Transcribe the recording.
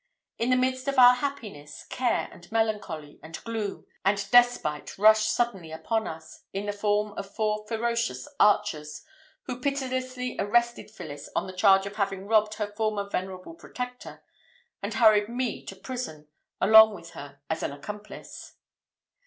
In the midst of our happiness, care, and melancholy, and gloom, and despite rushed suddenly upon us, in the form of four ferocious archers, who pitilessly arrested Phillis on the charge of having robbed her former venerable protector, and hurried me to prison along with her as an accomplice.